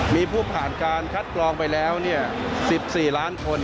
มีผู้ผ่านการคัดกรองไปแล้ว๑๔ล้านคน